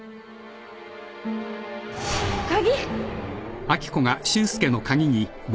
鍵！